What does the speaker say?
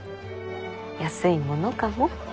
安いものかも。